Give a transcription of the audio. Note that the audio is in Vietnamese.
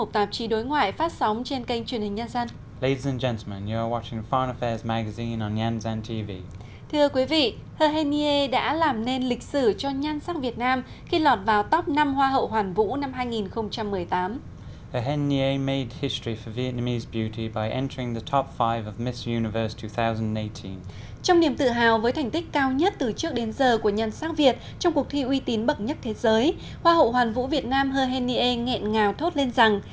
thưa quý vị quý vị đang theo dõi chuyên mục tạp chí đối ngoại phát sóng trên kênh truyền hình nhan giang